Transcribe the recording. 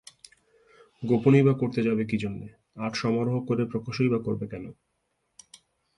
গোপনই বা করতে যাবে কী জন্যে, আর সমারোহ করে প্রকাশই বা করবে কেন।